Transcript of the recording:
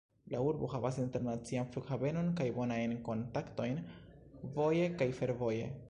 La urbo havas internacian flughavenon kaj bonajn kontaktojn voje kaj fervoje.